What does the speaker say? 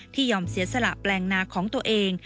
ยอมเสียสละแปลงนาของตัวเอง